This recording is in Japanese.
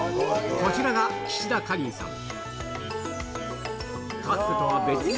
こちらが岸田果林さん